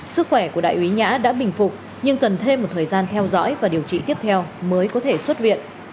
sức khỏe của đại úy nhã đã bình phục nhưng cần thêm một thời gian theo dõi và điều trị tiếp theo mới có thể xuất viện